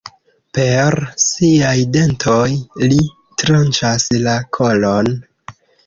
Per siaj dentoj, ri tranĉas la kolon.